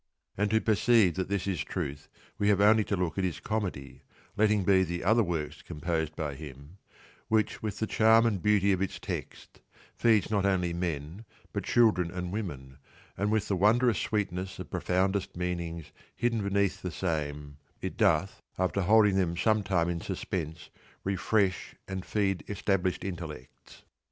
And to perceive that this is truth we have only to look at his Comedy (letting be the other works composed by him) which with the charm and beauty of its text feeds not only men but children and women, and with the wondrous sweetness of profoundest meanings hidden beneath the same it doth (after holding them some time in suspense) refresh and feed established intellects.